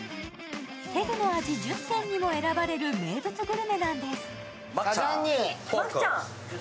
テグの味１０選にも選ばれる名物グルメなんです。